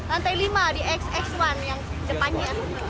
lantai lima di xx satu yang depannya